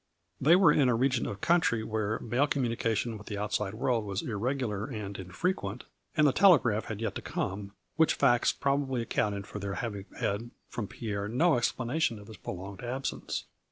They were in a region of country where mail communication with the outside world was ir regular and infrequent, and the telegraph had yet to come, which facts probably accounted for their having had from Pierre no explanation of his prolonged absence.